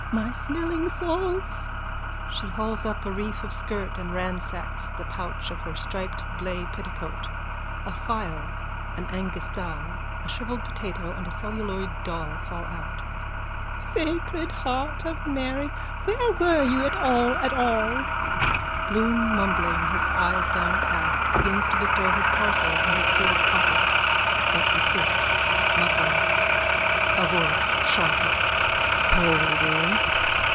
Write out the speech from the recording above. My smelling salts! _(She hauls up a reef of skirt and ransacks the pouch of her striped blay petticoat. A phial, an Agnus Dei, a shrivelled potato and a celluloid doll fall out.)_ Sacred Heart of Mary, where were you at all at all? (Bloom, mumbling, his eyes downcast, begins to bestow his parcels in his filled pockets but desists, muttering.) A VOICE: (Sharply.) Poldy!